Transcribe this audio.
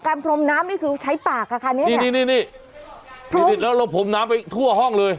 พรมน้ำนี่คือใช้ปากอะค่ะเนี้ยนี่นี่นี่แล้วเราพรมน้ำไปทั่วห้องเลย